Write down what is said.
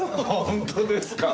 本当ですか？